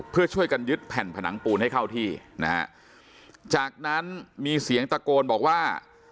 เพื่อช่วยกันยึดแผ่นผนังปูนให้เข้าที่นะฮะจากนั้นมีเสียงตะโกนบอกว่า